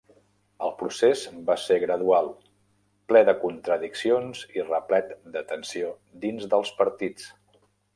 El procés va ser gradual, ple de contradiccions i replet de tensió dins dels partits.